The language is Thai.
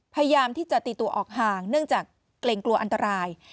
พยายามที่จะตีตัวออกห่างเนื่องจากเกรงกลัวอันตราย